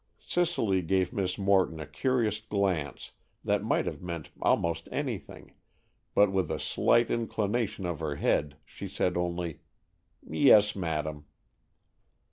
Cicely gave Miss Morton a curious glance that might have meant almost anything, but with a slight inclination of her head she said only, "Yes, madam."